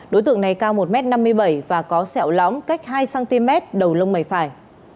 đối tượng này cao một m năm mươi bảy và có sẹo lóng cách hai cm đầu lông mày phải